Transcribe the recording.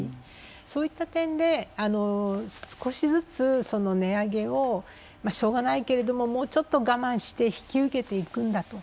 そういった点で少しずつ値上げをしょうがないけれどももうちょっと我慢して引き受けていくんだと。